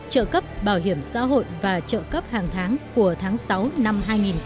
trợ cấp bảo hiểm xã hội và trợ cấp hàng tháng của tháng sáu năm hai nghìn một mươi chín